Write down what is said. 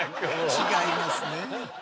違いますね。